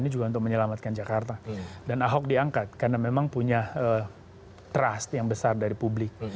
ini juga untuk menyelamatkan jakarta dan ahok diangkat karena memang punya trust yang besar dari publik